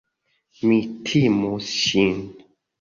Mi timus ŝin.